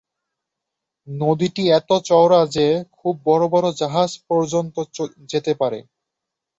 নদীটি এত চওড়া যে, খুব বড় বড় জাহাজ পর্যন্ত যেতে পারে।